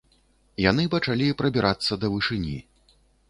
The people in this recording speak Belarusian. Яны пачалі прабірацца да вышыні.